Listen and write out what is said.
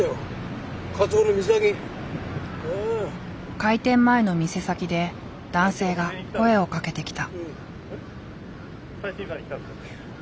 開店前の店先で男性が声をかけてきた。